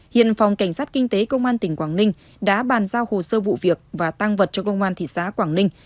hiện phòng cảnh sát kinh tế công an tỉnh quảng ninh đã bàn giao hồ sơ vụ việc và tăng vật cho công an thị xã quảng ninh